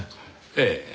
ええ。